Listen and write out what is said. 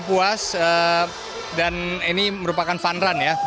puas dan ini merupakan fun run ya